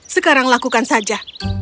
sekarang lakukan saja